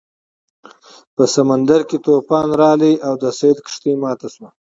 په سمندر کې طوفان راغی او د سید کښتۍ ماته شوه.